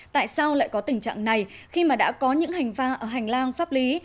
tại sao lại có tình trạng này khi mà đã có những hành lang pháp lý